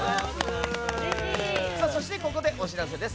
そしてここでお知らせです。